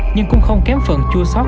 nhưng cũng không kém phần chua sót